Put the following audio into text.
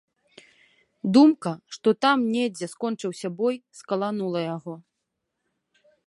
Думка, што там недзе скончыўся бой, скаланула яго.